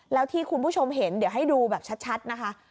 แล้วที่คุณผู้ชมเห็นเดี๋ยวให้ดูแบบชัดนะคะ